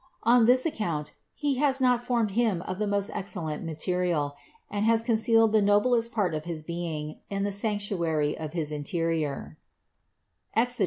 On this account He has not formed him of the most excellent material, and has concealed the noblest part of his being in the sanctuary of his interior (Exod.